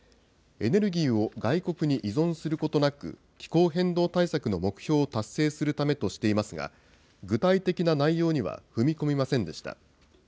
エネルギーを外国に依存することなく、気候変動対策の目標を達成するためとしていますが、具体的な内容には踏み込みませんでした。